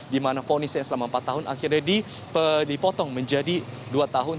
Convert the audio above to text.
di mana fonisnya selama empat tahun akhirnya dipotong menjadi dua tahun